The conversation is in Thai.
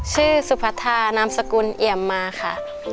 ชื่อสุพทานามสกุลเอ๋ยำมาค่ะ